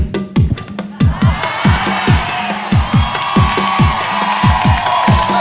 การโตภาคดี